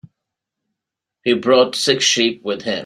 He brought six sheep with him.